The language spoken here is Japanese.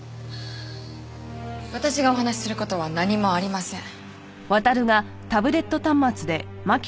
私がお話しする事は何もありません。